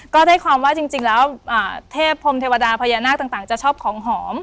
ก็ได้ความว่าจริงแล้วเทพพรมเทวดาพญานาคต่างจะชอบของหอม